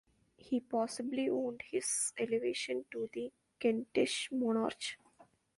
He possibly owed his elevation to the Kentish monarch.